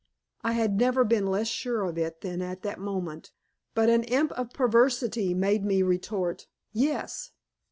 I had never been less sure of it than at that moment, but an imp of perversity made me retort, "Yes."